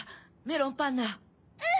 メロンパンナ。